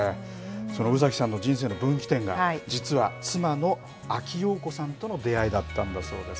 その宇崎さんの人生の分岐点が実は妻の阿木燿子さんとの出会いだったんだそうです。